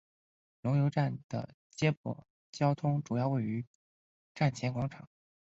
龙游站的接驳交通主要位于站前广场。